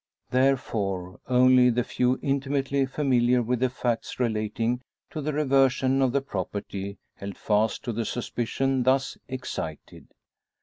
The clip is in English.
Therefore, only the few intimately familiar with the facts relating to the reversion of the property held fast to the suspicion thus excited.